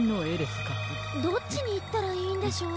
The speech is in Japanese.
どっちにいったらいいんでしょう。